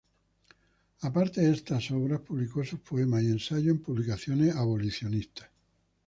Aparte de estas obras, publicó sus poemas y ensayos en publicaciones abolicionistas.